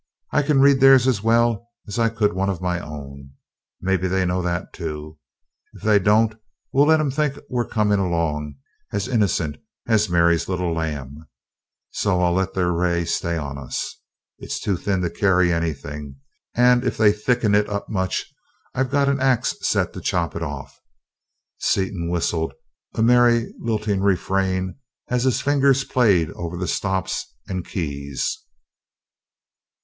I can read theirs as well as I could one of my own. Maybe they know that too if they don't we'll let 'em think we're coming along, as innocent as Mary's little lamb, so I'll let their ray stay on us. It's too thin to carry anything, and if they thicken it up much I've got an axe set to chop it off." Seaton whistled a merry lilting refrain as his fingers played over the stops and keys.